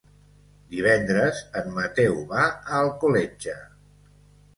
Divendres en Mateu va a Alcoletge.